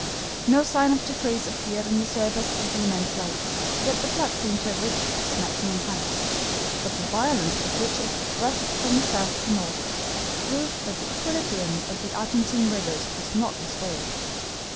No sign of decrease appeared on the surface of the immense lake, yet the flood seemed to have reached its maximum height; but the violence with which it rushed from the south to north proved that the equilibrium of the Argentine rivers was not restored.